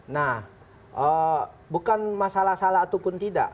nah bukan masalah salah ataupun tidak